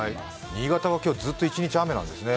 新潟は今日ずっと一日雨なんですね。